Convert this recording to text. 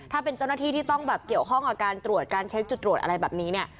ถ้าเป็นเจ้าหน้าที่ที่ต้องแบบเกี่ยวข้องกับการตรวจการเช็คจุดตรวจอะไรแบบนี้เนี่ย